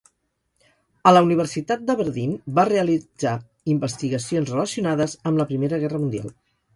A la Universitat d'Aberdeen va realitzar investigacions relacionades amb la Primera Guerra Mundial.